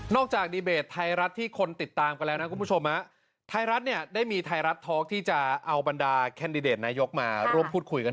จากดีเบตไทยรัฐที่คนติดตามกันแล้วนะคุณผู้ชมไทยรัฐเนี่ยได้มีไทยรัฐทอล์กที่จะเอาบรรดาแคนดิเดตนายกมาร่วมพูดคุยกัน